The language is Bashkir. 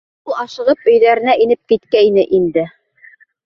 Ул ашығып өйҙәренә инеп киткәйне инде.